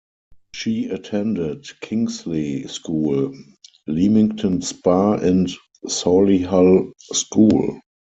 She attended Kingsley School, Leamington Spa and Solihull School.